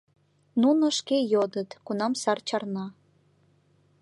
— Нуно шке йодыт, кунам сар чарна.